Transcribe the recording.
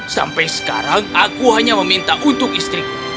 sampai sekarang aku hanya meminta untuk istriku